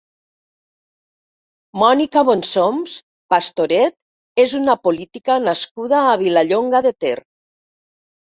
Mònica Bonsoms Pastoret és una política nascuda a Vilallonga de Ter.